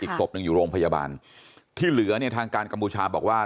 ศพหนึ่งอยู่โรงพยาบาลที่เหลือเนี่ยทางการกัมพูชาบอกว่า